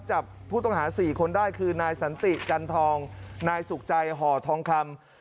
จับผู้ต้องหา๔คนได้คือนายสันติจันทองนายสุขใจห่อทองคำ